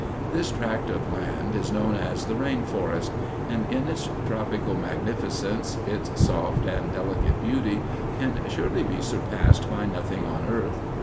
This tract of land is known as the Rain Forest, and in its tropical magnificence, its soft and delicate beauty, can surely be surpassed by nothing on earth.